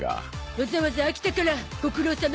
わざわざ秋田からご苦労さま